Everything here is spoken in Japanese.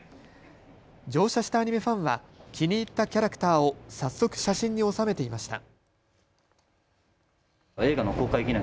乗車したアニメファンは気に入ったキャラクターを早速、写真に収めていました。